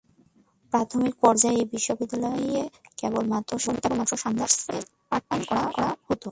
প্রাথমিক পর্যায়ে এই বিশ্ববিদ্যালয়ে কেবলমাত্র সান্ধ্য কোর্সে পাঠদান করা হতো।